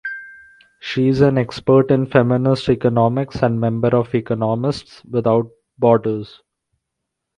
She is an expert in feminist economics and member of Economists Without Borders.